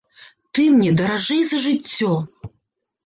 Ты мне даражэй за жыццё.